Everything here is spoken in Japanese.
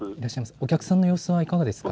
お客さんの様子はどうですか。